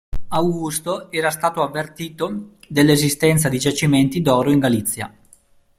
Augusto era stato avvertito dell'esistenza di giacimenti d'oro in Galizia.